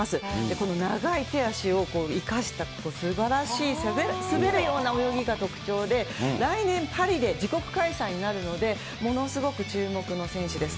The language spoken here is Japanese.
この長い手足を生かしたすばらしい滑るような泳ぎが特徴で、来年、パリで自国開催になるので、ものすごく注目の選手です。